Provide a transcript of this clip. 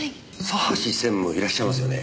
佐橋専務いらっしゃいますよね。